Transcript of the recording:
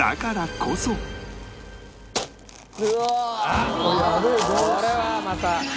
これはまた。